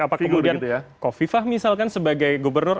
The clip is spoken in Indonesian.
apa kemudian kofifah misalkan sebagai gubernur